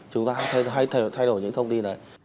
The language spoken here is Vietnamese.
chúng ta hãy thay đổi những thông tin đấy